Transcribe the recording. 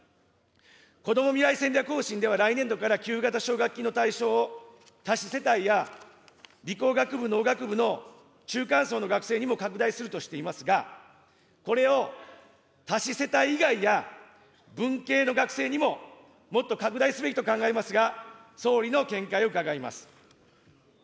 こども未来戦略方針では来年度から給付型奨学金の対象を、多子世帯や理工学部、農学部の中間層の学生にも拡大するとしていますが、これを多子世帯以外や文系の学生にも、もっと拡大すべきと考えますが、総理の見解を伺います。